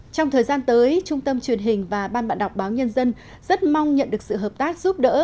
trong thời gian tới trung tâm truyền hình và ban bạn đọc báo nhân dân rất mong nhận được sự hợp tác giúp đỡ